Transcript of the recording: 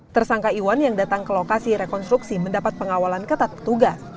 tersangka iwan yang datang ke lokasi rekonstruksi mendapat pengawalan ketat petugas